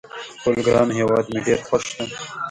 خپل ګران هیواد مې ډېر خوښ ده